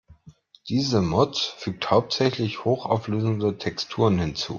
Diese Mod fügt hauptsächlich hochauflösende Texturen hinzu.